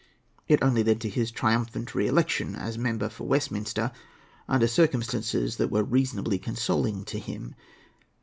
It only led to his triumphant re election as member for Westminster, under circumstances that were reasonably consoling to him.